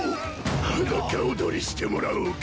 裸踊りしてもらおうか。